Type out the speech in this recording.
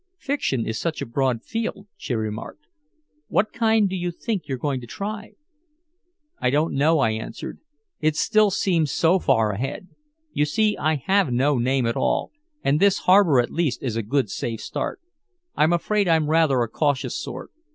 "Fiction is such a broad field," she remarked. "What kind do you think you're going to try?" "I don't know," I answered. "It still seems so far ahead. You see, I have no name at all, and this harbor at least is a good safe start. I'm afraid I'm rather a cautious sort.